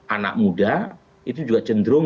anak muda itu juga cenderung